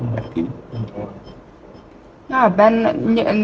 nhà đấy ngựa lâu chăng